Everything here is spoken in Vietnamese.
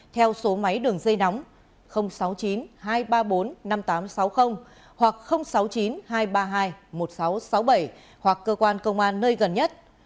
theo số máy đường dây nóng sáu mươi chín hai trăm ba mươi bốn năm nghìn tám trăm sáu mươi hoặc sáu mươi chín hai trăm ba mươi hai một nghìn sáu trăm sáu mươi bảy hoặc cơ quan công an nơi gần nhất